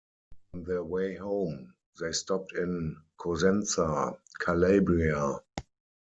On their way home, they stopped in Cosenza, Calabria.